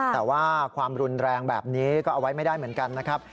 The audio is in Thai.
แต่ว่าความรุนแรงแบบนี้ก็เอาไว้ไม่ได้เหมือนกันนะครับ